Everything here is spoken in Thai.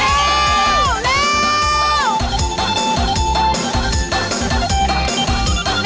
เวลาดีเล่นหน่อยเล่นหน่อย